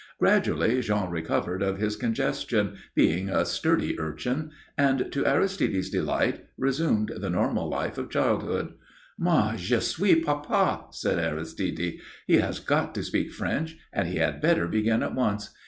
Gradually Jean recovered of his congestion, being a sturdy urchin, and, to Aristide's delight, resumed the normal life of childhood. "Moi, je suis papa," said Aristide. "He has got to speak French, and he had better begin at once.